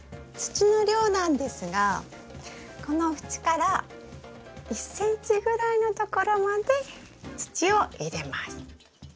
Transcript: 土の量なんですがこの縁から１ｃｍぐらいのところまで土を入れます。